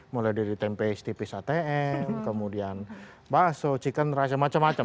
mulai dari tempe stipis atm kemudian baso chicken rice macam macam